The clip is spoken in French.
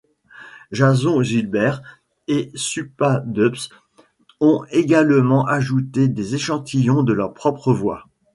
Jason Gilbert et Supa Dups ont également ajouté des échantillons de leurs propres voix.